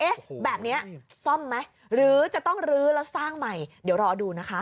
แบบนี้ซ่อมไหมหรือจะต้องลื้อแล้วสร้างใหม่เดี๋ยวรอดูนะคะ